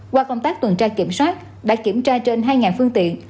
qua công tác tuần tra kiểm soát đã kiểm tra trên hai phương tiện